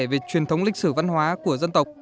về truyền thống lịch sử văn hóa của dân tộc